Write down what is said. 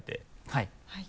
はい。